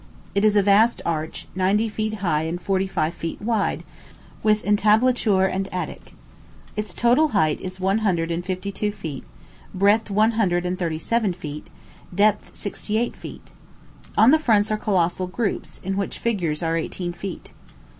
It is a vast arch, ninety feet high and forty five feet wide, with entablature and attic. Its total height is one hundred and fifty two feet, breadth one hundred and thirty seven feet, depth sixty eight feet. On the fronts are colossal groups, in which the figures are eighteen feet.